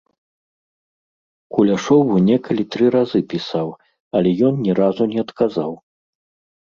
Куляшову некалі тры разы пісаў, але ён ні разу не адказаў.